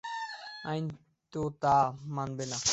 আইন তো তা মানবে না।